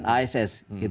nah kalau saya lihat